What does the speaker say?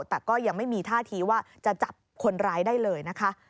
แต่ก็ยังไม่มีท่าทีว่าจะจับคนร้ายได้เลยนะคะ